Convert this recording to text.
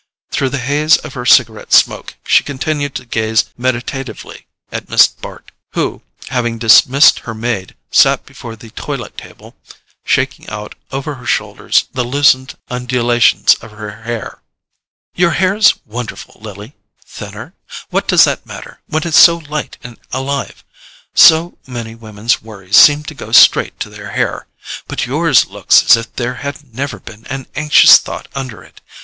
Through the haze of her cigarette smoke she continued to gaze meditatively at Miss Bart, who, having dismissed her maid, sat before the toilet table shaking out over her shoulders the loosened undulations of her hair. "Your hair's wonderful, Lily. Thinner—? What does that matter, when it's so light and alive? So many women's worries seem to go straight to their hair—but yours looks as if there had never been an anxious thought under it.